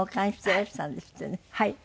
はい。